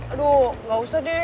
aduh gak usah deh